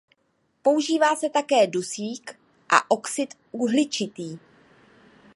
Používá se také dusík a oxid uhličitý.